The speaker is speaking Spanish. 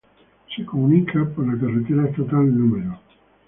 Es comunicada por la carretera estatal No.